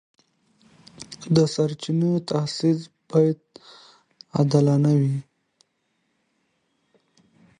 د سرچینو تخصیص باید عادلانه وي.